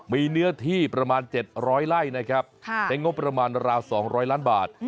มีเนื้อที่ประมาณ๗๐๐ไร่นะครับในงบประมาณราว๒๐๐ล้านบาท